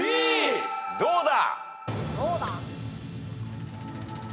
どうだ？